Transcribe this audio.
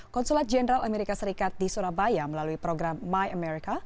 konsulat jenderal amerika serikat di surabaya melalui program my america